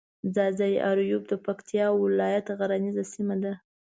ځاځي اريوب د پکتيا ولايت غرييزه سيمه ده.